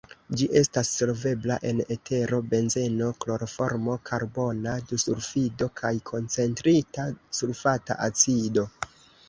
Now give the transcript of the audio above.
Ĝi estas solvebla en etero, benzeno, kloroformo, karbona dusulfido kaj koncentrita sulfata acido.